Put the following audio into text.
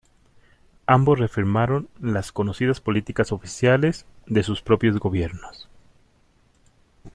Ambos reafirmaron las conocidas políticas oficiales de sus propios Gobiernos.